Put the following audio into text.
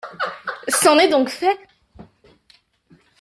C'en est donc fait!